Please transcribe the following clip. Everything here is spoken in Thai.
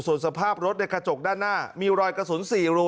ส่วนสภาพรถในกระจกด้านหน้ามีรอยกระสุน๔รู